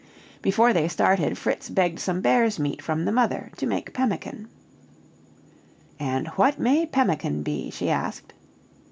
Before they started, Fritz begged some bear's meat from the mother, to make pemmican. "And what may pemmican be?" she asked.